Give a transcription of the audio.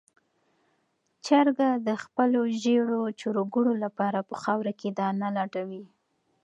چرګه د خپلو ژېړو چرګوړو لپاره په خاوره کې دانه لټوي.